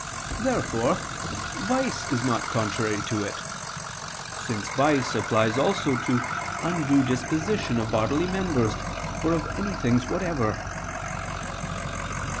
Therefore vice is not contrary to it: since vice applies also to undue disposition of bodily members or of any things whatever.